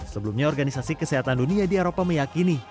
sebelumnya organisasi kesehatan dunia di eropa meyakini